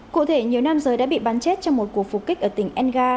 cụ thể nhiều nam giới đã bị bắn chết trong một cuộc phục kích ở tỉnh elga